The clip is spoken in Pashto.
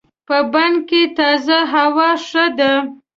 په بڼ کې تازه هوا ښه ده.